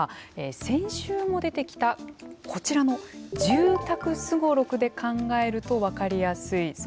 先週も出てきたこちらの住宅すごろくで考えると分かりやすいそうなんですね。